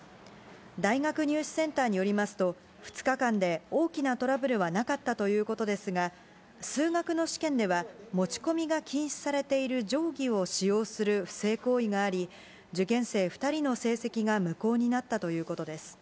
大学入試センターによりますと、２日間で大きなトラブルはなかったということですが、数学の試験では、持ち込みが禁止されている定規を使用する不正行為があり、受験生２人の成績が無効になったということです。